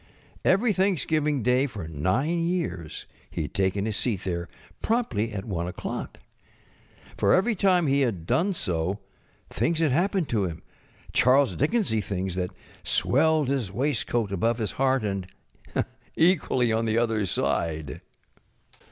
Every Thanksgiving Day for nine years he had taken his seat there promptly at 1 oŌĆÖclock. For every time he had done so things had happened to him ŌĆö Charles Dickensy things that swelled his waistcoat above his heart, and equally on the other side.